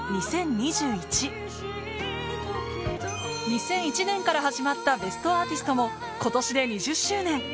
３日後２００１年から始まった『ベストアーティスト』も今年で２０周年